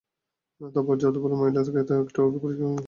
তারপর জাদুবলে ময়লা হয়ে যায় একটু আগে পরিষ্কার করা বাতিঘরের কাচ।